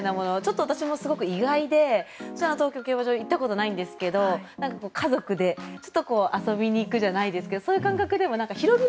ちょっと私もすごく意外で東京競馬場には行ったことないんですけど家族でちょっと遊びに行くじゃないですけどそういう感覚で。